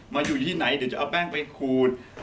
อยู่ที่ไหนเดี๋ยวจะเอาแป้งไปขูด